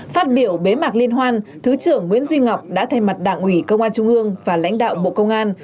phát biểu bế mạc liên hoan thứ trưởng nguyễn duy ngọc đã thay mặt đảng ủy công an trung ương và lãnh đạo bộ công an